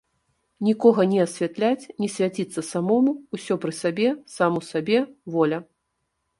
Нікога не асвятляць, не свяціцца самому, усё пры сабе, сам у сабе, воля.